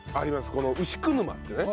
この牛久沼ってね